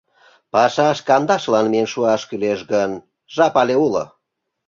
Пашаш кандашылан миен шуаш кӱлеш гын, жап але уло.